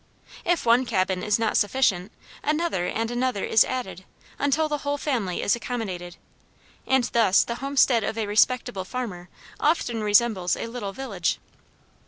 If one cabin is not sufficient, another and another is added, until the whole family is accommodated, and thus the homestead of a respectable farmer often resembles a little village.